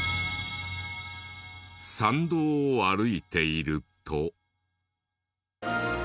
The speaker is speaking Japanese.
参道を歩いていると。